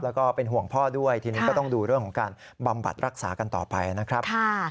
แล้วก็เป็นห่วงพ่อด้วยทีนี้ก็ต้องดูเรื่องของการบำบัดรักษากันต่อไปนะครับ